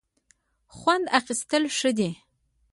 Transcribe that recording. خوند اخیستل ښه دی.